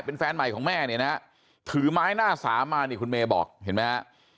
เป็นแฟนใหม่ของแม่เนี่ยนะฮะถือไม้หน้าสามมานี่คุณเมย์บอกเห็นไหมฮะ